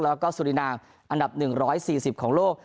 แล้วก็สุรินาอันดับ๑๔๐ของโลก